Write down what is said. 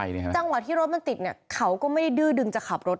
จังหวะที่รถมันติดเขาก็ไม่ดื้อดึงจะขับไป